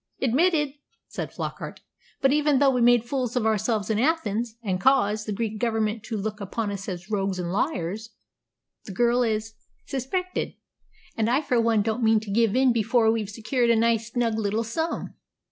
"Admitted," said Flockart. "But even though we made fools of ourselves in Athens, and caused the Greek Government to look upon us as rogues and liars, the girl is suspected; and I for one don't mean to give in before we've secured a nice, snug little sum."